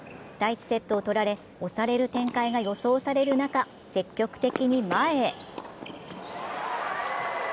第１セットを取られ、押される展開が予想される中、積極的に前へ。